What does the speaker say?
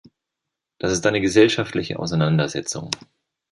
Das ist eine gesellschaftliche Auseinandersetzung.